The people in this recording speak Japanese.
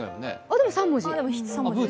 でも３文字。